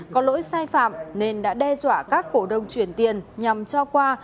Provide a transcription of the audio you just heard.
có lỗi sai phạm nên đã đe dọa các cổ đông chuyển tiền nhằm cho qua